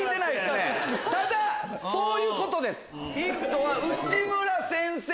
ただそういうことです。